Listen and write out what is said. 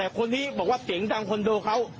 เออ